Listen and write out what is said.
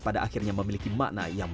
pada akhirnya memiliki makna yang